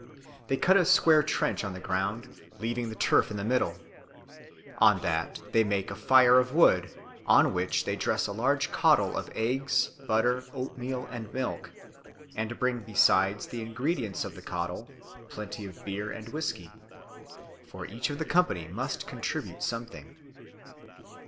They cut a square trench on the ground, leaving the turf in the middle; on that they make a fire of wood, on which they dress a large caudle of eggs, butter, oatmeal and milk; and bring besides the ingredients of the caudle, plenty of beer and whisky; for each of the company must contribute something.